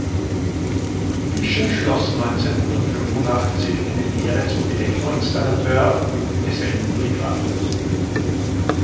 Fischer schloss neunzehnhundertfünfundachtzig eine Lehre zum Elektroinstallateur mit dem Gesellenbrief ab.